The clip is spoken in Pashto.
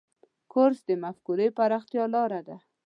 کورس د مفکورې پراختیا لاره ده.